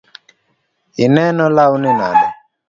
Ineno lawni nade?